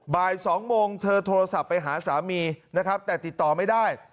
บ่าย๒โมงเธอโทรศัพท์ไปหาสามีนะครับแต่ติดต่อไม่ได้